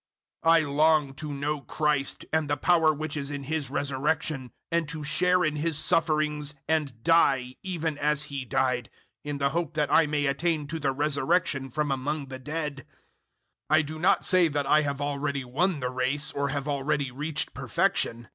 003:010 I long to know Christ and the power which is in His resurrection, and to share in His sufferings and die even as He died; 003:011 in the hope that I may attain to the resurrection from among the dead. 003:012 I do not say that I have already won the race or have already reached perfection.